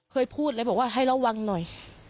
เคยพูดเลยบอกว่าให้ระวังหน่อย